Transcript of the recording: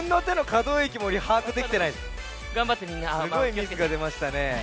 すごいミスがでましたね。